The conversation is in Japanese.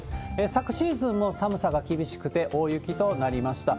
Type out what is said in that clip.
昨シーズンも寒さが厳しくて、大雪となりました。